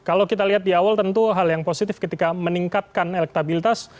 kalau kita lihat di awal tentu hal yang positif ketika meningkatkan elektabilitas